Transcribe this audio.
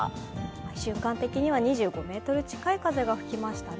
瞬間的には２５メートル近い風が吹きましたね。